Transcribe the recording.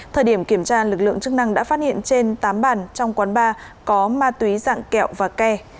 thời điểm kiểm tra lực lượng chức năng đã phát hiện trên tám bàn trong quán bar có ma túy dạng kẹo và ke